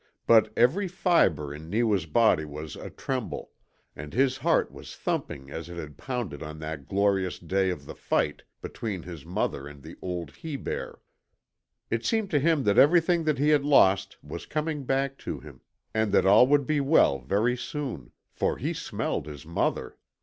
But every fibre in Neewa's body was atremble, and his heart was thumping as it had pounded on that glorious day of the fight between his mother and the old he bear. It seemed to him that everything that he had lost was coming back to him, and that all would be well very soon FOR HE SMELLED HIS MOTHER!